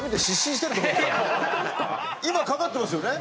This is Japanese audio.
今かかってますよね。